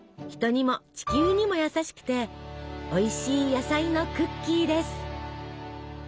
人にも地球にも優しくておいしい野菜のクッキーです！